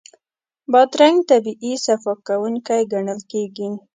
بادرنګ طبعي صفا کوونکی ګڼل کېږي.